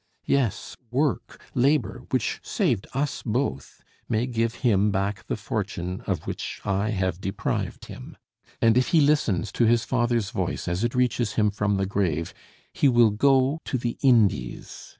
Yes, work, labor, which saved us both, may give him back the fortune of which I have deprived him; and if he listens to his father's voice as it reaches him from the grave, he will go the Indies.